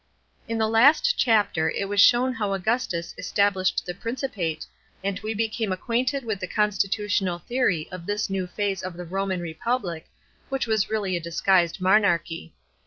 § 1. IN the last chapter it was shown how Augustus established the Principate, and we became acquainted with the constitutional theory of this new phase of the Roman republic, which was really .i, disguised monarchy.